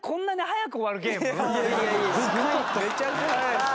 めちゃくちゃ早いっす。